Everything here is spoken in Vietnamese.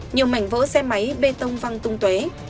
nhiều mảnh vỡ xe máy bê tông văng tung tuế